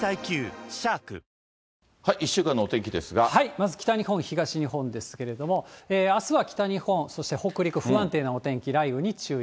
まず北日本、東日本ですけれども、あすは北日本、そして北陸、不安定なお天気、雷雨に注意。